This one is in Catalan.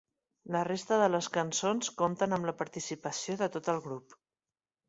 La resta de les cançons compten amb la participació de tot el grup.